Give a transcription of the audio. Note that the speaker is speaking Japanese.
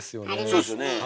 そうですよねえ。